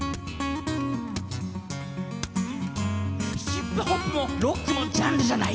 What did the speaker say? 「ヒップホップもロックもジャンルじゃない」